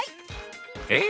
え⁉